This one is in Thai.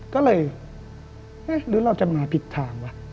ก็เลยเอ๊ะหรือเราจะมาผิดทางวะ